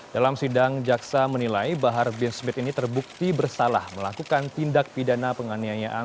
dalam sidang jaksa menilai bahar bin smith ini terbukti bersalah melakukan tindak pidana penganiayaan